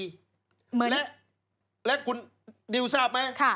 เหมือนและคุณดิวทราบไหม